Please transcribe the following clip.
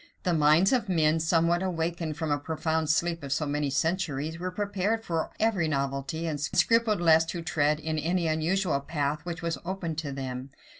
The minds of men, somewhat awakened from a profound sleep of so many centuries, were prepared for every novelty, and scrupled less to tread in any unusual path which was opened to them.